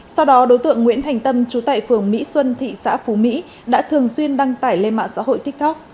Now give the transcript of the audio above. sau đó đối tượng nguyễn thành tâm trú tại phường mỹ xuân thị xã phú mỹ đã thường xuyên đăng tải lên mạng xã hội tiktok